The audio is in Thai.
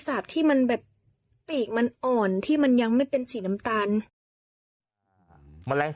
สาปที่มันแบบปีกมันอ่อนที่มันยังไม่เป็นสีน้ำตาล